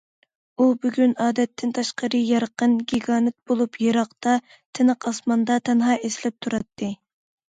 ئۇ بۈگۈن ئادەتتىن تاشقىرى يارقىن، گىگانت بولۇپ، يىراقتا، تىنىق ئاسماندا تەنھا ئېسىلىپ تۇراتتى.